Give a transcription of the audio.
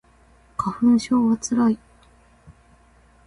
花粉症はつらい